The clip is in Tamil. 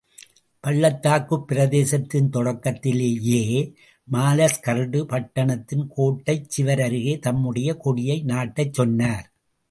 பள்ளத்தாக்குப் பிரதேசத்தின் தொடக்கத்திலேயே மாலஸ்கர்டு பட்டணத்தின் கோட்டைச் சுவர் அருகே தம்முடைய கொடியை நாட்டச் சொன்னார்.